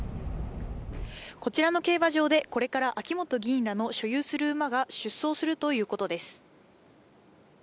こちらの競馬場で、これから秋本議員らの所有する馬が出走するということです。